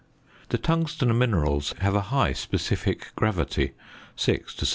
The tungsten minerals have a high specific gravity (6 to 7.5).